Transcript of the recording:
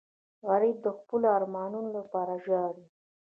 غریب د خپلو ارمانونو لپاره ژاړي